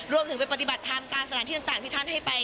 รวมไปถึงไปปฏิบัติธรรมตามสถานที่ต่างที่ท่านให้ไป